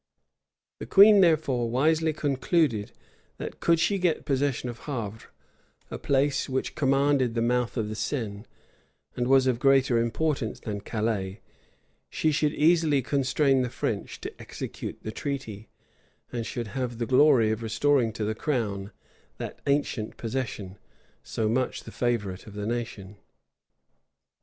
[] The queen therefore wisely concluded, that, could she get possession of Havre, a place which commanded the mouth of the Seine, and was of greater importance than Calais, she should easily constrain the French to execute the treaty, and should have the glory of restoring to the crown that ancient possession, so much the favorite of the nation.